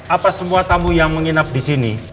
apa semua tamu yang menginap disini